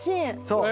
そう。